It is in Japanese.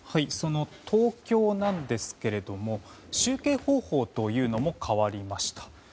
その東京なんですけれども集計方法というのも変わりました。